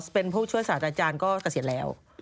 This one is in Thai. เป็นผู้ช่วยศาสตราจารย์ก็เกษียณแล้ว